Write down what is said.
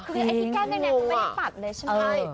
คือไอ้ที่แก้มแดงเขาไม่ได้ปัดเลยใช่ไหม